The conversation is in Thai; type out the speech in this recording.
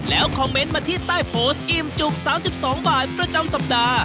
แล้วคอมเม้นต์มาที่ใต้การติดต่อด้านอิ่มจุก๓๒บาทประจำสัปดาห์